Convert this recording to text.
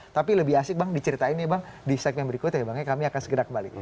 tapi lebih asik bang diceritain ya bang di segmen berikut ya bang kami akan segera kembali